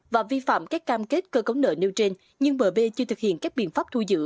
và vi phạm các cam kết cơ cấu nợ nêu trên nhưng mb chưa thực hiện các biện pháp thu giữ